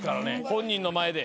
本人の前で。